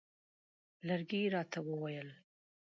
لرګی یې راته وویل.